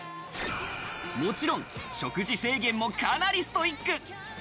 もちろん、食事制限もかなりストイック。